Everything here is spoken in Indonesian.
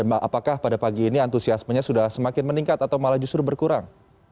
apakah pada pagi ini antusiasmenya sudah semakin meningkat atau malah justru berkurang